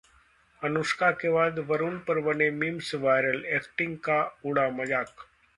अनुष्का के बाद वरुण पर बने memes वायरल, एक्टिंग का उड़ा मजाक